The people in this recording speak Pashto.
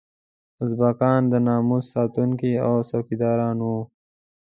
اربکیان د ناموس ساتونکي او څوکیداران وو.